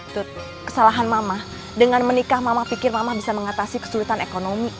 kesalahan mama dengan menikah mama pikir mama bisa mengatasi kesulitan ekonomi